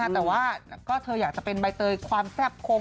แต่ว่าเธออยากจะเป็นใบเตยความแซ่บคง